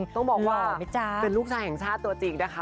ต้องบอกว่าเป็นลูกชายแห่งชาติตัวจริงนะคะ